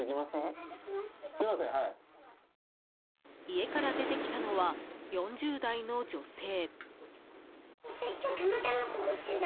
家から出てきたのは４０代の女性。